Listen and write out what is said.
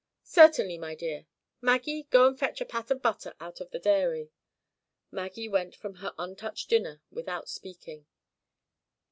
"Certainly, my dear. Maggie, go and fetch a pat of butter out of the dairy." Maggie went from her untouched dinner without speaking.